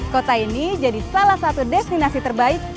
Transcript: kota ini jadi salah satu destinasi terbaik